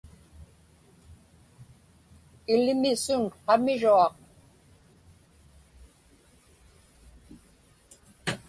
Ilimisun qamiruaq.